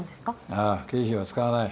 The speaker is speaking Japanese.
ああ経費は使わない。